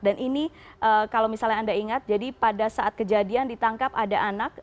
dan ini kalau misalnya anda ingat jadi pada saat kejadian ditangkap ada anak